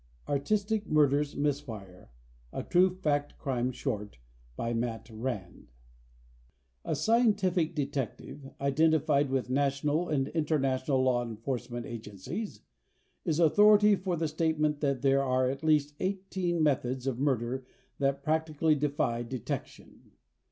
ARTISTIC MURDERS MISFIRE A TRUE FACT CRIME SHORT by MAT RAND A scientific detective, identified with national and international law enforcement agencies, is authority for the statement that there are at least eighteen methods of murder that practically defy detection.